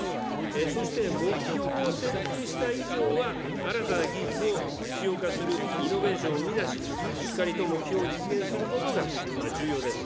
そして、目標を設定した以上は、新たな技術を実用化する、イノベーションを生み出し、しっかりと目標を実現することは重要です。